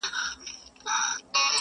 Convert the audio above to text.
جهاني نن مي له زاهده نوې واورېدله!.